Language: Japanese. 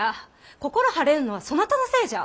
心晴れぬのはそなたのせいじゃ。